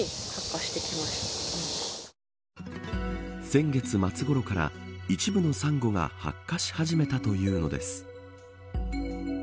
先月末ごろから一部のサンゴが白化し始めたというのです。